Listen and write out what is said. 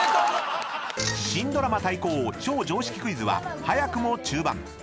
［新ドラマ対抗超常識クイズは早くも中盤］